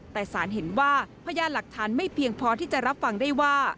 แต่สารเห็นว่าพยานหลักฐานไม่เพียงพอที่จะรับฟังได้ว่า